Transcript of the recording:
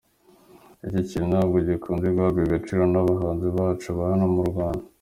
Iki kintu ntabwo gikunzwe guhabwa agaciro n’abahanzi bacu ba hano mu Rwanda.